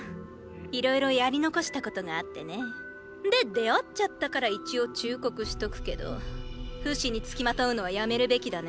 いろいろやり残したことがあってね。で出会っちゃったから一応忠告しとくけどフシに付きまとうのはやめるべきだね。